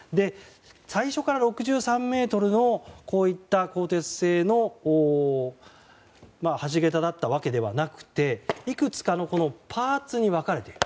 最初から６３ｍの、鋼鉄製の橋桁だったわけではなくていくつかのパーツに分かれている。